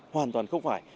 hoàn toàn không phải